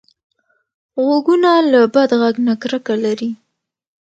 غوږونه له بد غږ نه کرکه لري